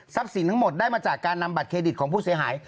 สินทั้งหมดได้มาจากการนำบัตรเครดิตของผู้เสียหาย